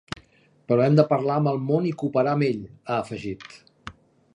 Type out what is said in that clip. Però hem de parlar amb el món i cooperar amb ell, ha afegit.